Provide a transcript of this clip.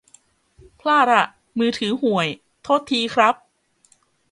พลาดอ่ะ มือถือห่วย โทษทีครับ